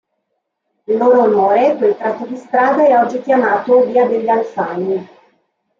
In loro onore quel tratto di strada è oggi chiamato via degli Alfani.